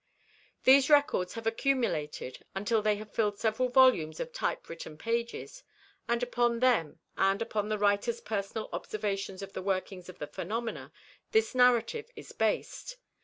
These records have accumulated until they have filled several volumes of typewritten pages, and upon them, and upon the writer's personal observations of the workings of the phenomena, this narrative is based.